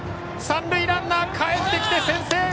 三塁ランナーかえってきて先制！